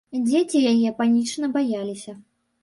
Дзеці яе панічна баяліся.